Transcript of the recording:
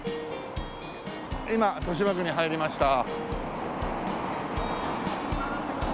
今豊島区に入りました。